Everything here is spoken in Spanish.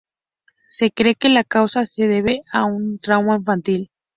Se cree que la causa se debe a un trauma infantil.